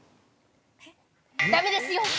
◆だめですよ。